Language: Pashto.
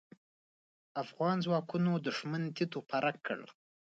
افغان ځواکونو دوښمن تيت و پرک کړ.